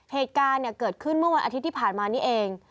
เหตุการณ์เกิดขึ้นเมื่อวันอาทิตย์ที่ผ่านมานี่เอง